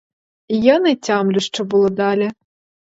Я не тямлю, що було далі.